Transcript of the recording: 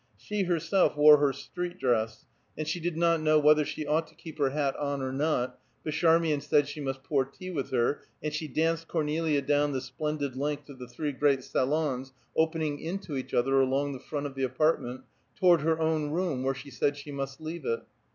She herself wore her street dress and she did not know whether she ought to keep her hat on or not; but Charmian said she must pour tea with her, and she danced Cornelia down the splendid length of the three great salons opening into each other along the front of the apartment, toward her own room where she said she must leave it.